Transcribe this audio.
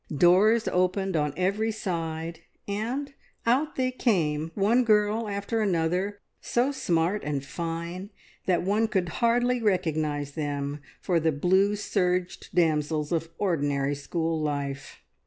Doors opened on every side, and out they came, one girl after another, so smart and fine that one could hardly recognise them for the blue serged damsels of ordinary school life.